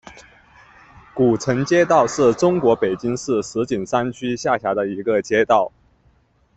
古城街道是中国北京市石景山区下辖的一个街道。